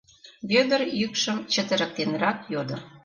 — Вӧдыр йӱкшым чытырыктенрак йодо.